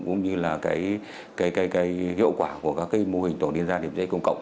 cũng như là hiệu quả của các mô hình tổ liên gia điểm chữa cháy công cộng